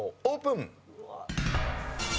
オープン。